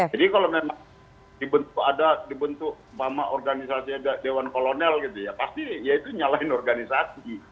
jadi kalau memang ada di bentuk mama organisasi ada dewan kolonel gitu ya pasti ya itu nyalahin organisasi